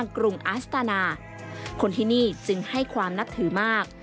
กรุงอาสตานาคนที่นี่จึงให้ความนับถือมาก